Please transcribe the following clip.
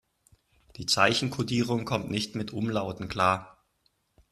Die Zeichenkodierung kommt nicht mit Umlauten klar.